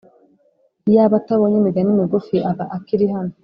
Iyaba atabonye imigani migufi aba akiri hano